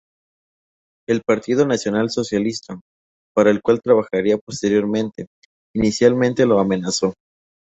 El Partido Nacional Socialista, para el cual trabajaría posteriormente, inicialmente lo amenazó.